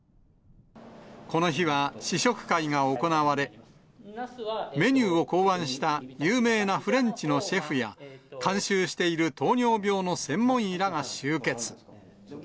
この日は試食会が行われ、メニューを考案した有名なフレンチのシェフや、監修している糖尿病の専門医らが集結。